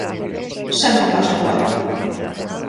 Sempre pasa igual.